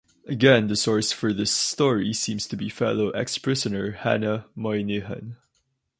Again the source for this story seems to be fellow ex-prisoner Hanna Moynihan.